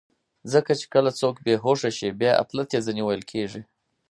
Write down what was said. ځکه کله چې څوک بېهوښه شي، بیا اپلتې ځینې ویل کېږي.